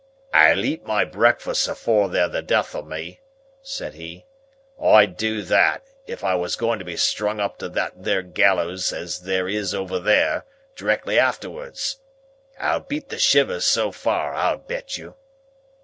"I'll eat my breakfast afore they're the death of me," said he. "I'd do that, if I was going to be strung up to that there gallows as there is over there, directly afterwards. I'll beat the shivers so far, I'll bet you."